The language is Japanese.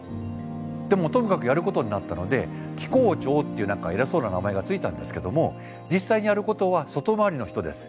でもともかくやることになったので機構長っていう何か偉そうな名前が付いたんですけども実際にやることは外回りの人です。